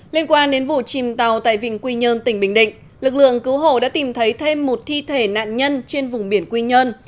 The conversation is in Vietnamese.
liên quan đến vụ chìm tàu tại vịnh quy nhơn tỉnh bình định lực lượng cứu hộ đã tìm thấy thêm một thi thể nạn nhân trên vùng biển quy nhơn